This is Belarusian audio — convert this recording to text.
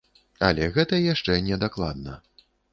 Але гэта яшчэ не дакладна.